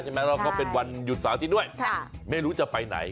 ใช่มั้ยแล้วก็เป็นวันหยุดสาวที่ด้วยไม่รู้จะไปไหน